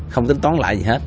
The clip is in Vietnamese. không tính toán lãi gì hết